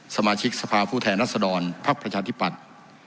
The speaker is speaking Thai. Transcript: สมาชิกสภาพผู้แทนรัศดรภักดิ์ประชาธิปัตย์